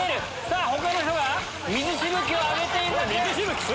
さぁ他の人は水しぶきを上げているだけ。